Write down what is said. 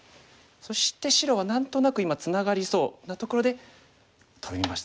そして白は何となく今ツナがりそうなところでトビました。